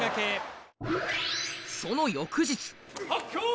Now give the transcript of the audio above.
その翌日。